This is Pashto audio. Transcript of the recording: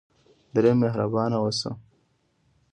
دریم: مهربانه اوسیدل.